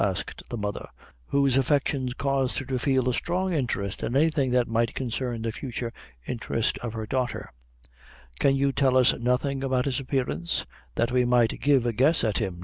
asked the mother, whose affections caused! her to feel a strong interest in anything that might concern the future interest of her daughter; "can you tell us nothing about his appearance, that we might give a guess at him?"